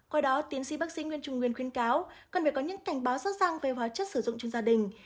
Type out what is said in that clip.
coi đó tiến sĩ bác sĩ nguyễn trung nguyên khuyên cáo cần phải có những cảnh báo rõ ràng về hóa chất sử dụng trong gia đình